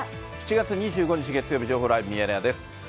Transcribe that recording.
７月２５日月曜日、情報ライブミヤネ屋です。